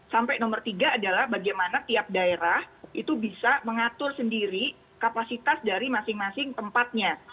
sampai nomor tiga adalah bagaimana tiap daerah itu bisa mengatur sendiri kapasitas dari masing masing tempatnya